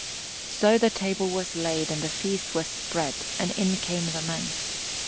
So the table was laid and the feast was spread and in came the men.